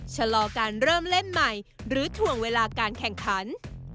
ชะลอการเริ่มเล่นใหม่หรือถ่วงเวลาการแข่งขัน